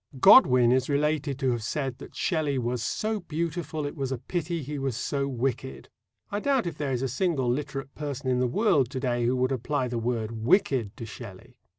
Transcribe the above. Godwin is related to have said that "Shelley was so beautiful, it was a pity he was so wicked." I doubt if there is a single literate person in the world to day who would apply the word "wicked" to Shelley.